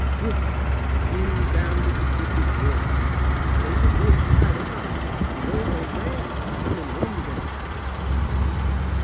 "Woof!" In bounded the wicked wolf. The little goats cried out and away they ran, some in one direction, and some in another.